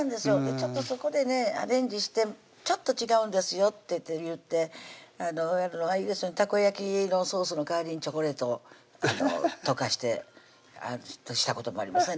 ちょっとそこでねアレンジしてちょっと違うんですよっていってたこ焼きのソースの代わりにチョコレートを溶かしてしたこともありますね